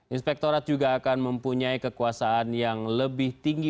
inspektorat juga akan mempunyai kekuasaan yang lebih tinggi